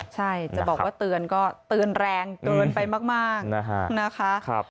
จะบอกว่าเตือนก็เตือนแรงเตือนไปมาก